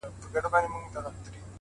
ملا فتواء ورکړه ملا يو ښايست وواژه خو!